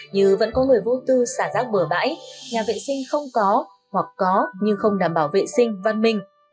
như vẫn có người vô tư xả rác bừa bãi nhà vệ sinh không có hoặc có nhưng không đảm bảo vệ sinh văn minh